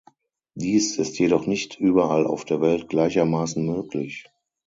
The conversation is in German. Dies ist jedoch nicht überall auf der Welt gleichermaßen möglich.